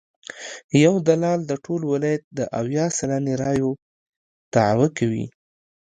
یو دلال د ټول ولایت د اویا سلنې رایو دعوی کوي.